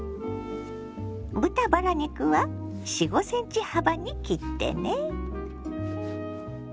豚バラ肉は４５ｃｍ幅に切ってね。